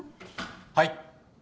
はい。